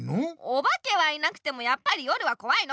おばけはいなくてもやっぱり夜はこわいの！